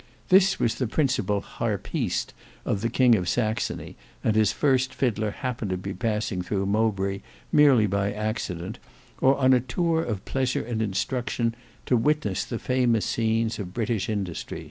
This was when the principal harpiste of the King of Saxony and his first fiddler happened to be passing through Mowbray, merely by accident, or on a tour of pleasure and instruction, to witness the famous scenes of British industry.